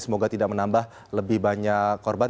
semoga tidak menambah lebih banyak korban